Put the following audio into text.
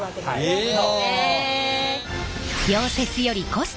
へえ！